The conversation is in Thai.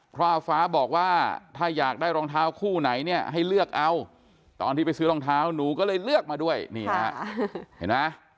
ฟ้าฟ้าบอกว่าถ้าอยากได้รองเท้าคู่ไหนเนี่ยให้เลือกเอาตอนที่ไปซื้อรองเท้าหนูก็เลยเลือกมาด้วยนี่ฮะเห็นไหม